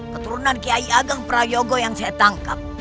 keturunan kiai ageng prayogo yang saya tangkap